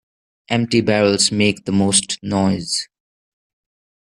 Empty barrels make the most noise.